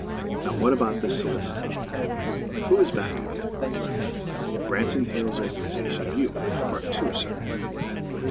Now what about this soliciting. Who is back of you?" "Branton Hills' Organization of Youth; Part Two, sir."